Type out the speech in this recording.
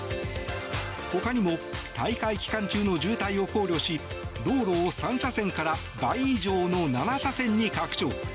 他にも大会期間中の渋滞を考慮し道路を３車線から倍以上の７車線に拡張。